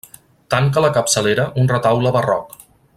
Tanca la capçalera un retaule barroc.